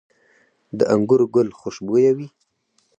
د انګورو ګل خوشبويه وي؟